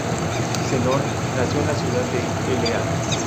Zenón nació en la ciudad de Elea.